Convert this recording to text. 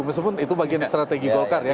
meskipun itu bagian strategi golkar ya